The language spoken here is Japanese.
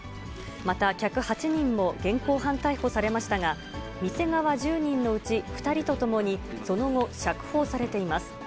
また客８人も現行犯逮捕されましたが、店側１０人のうち２人と共にその後、釈放されています。